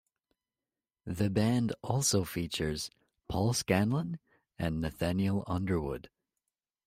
The band also features Paul Scanlan and Nathanael Underwood.